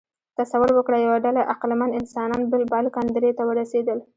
تصور وکړئ، یوه ډله عقلمن انسانان بالکان درې ته ورسېدل.